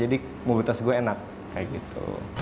jadi mobilitas gue enak kayak gitu